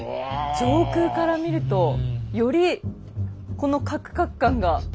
上空から見るとよりこのカクカク感が。